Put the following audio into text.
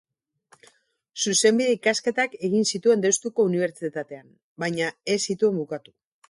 Zuzenbide ikasketak egin zituen Deustuko Unibertsitatean, baina ez zituen bukatu.